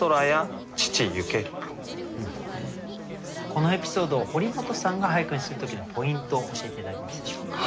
このエピソードを堀本さんが俳句にする時のポイント教えて頂けますでしょうか。